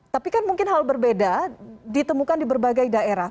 tapi kan mungkin hal berbeda ditemukan di berbagai daerah